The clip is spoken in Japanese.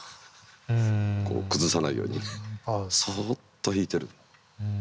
こう崩さないようにそっと弾いてる。